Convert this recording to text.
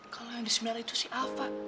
kalau yang di sini itu si ava